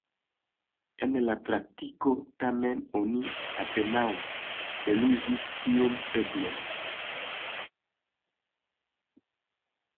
En la praktiko tamen, oni apenaŭ eluzis tiun eblon.